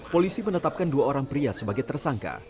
polisi menetapkan dua orang pria sebagai tersangka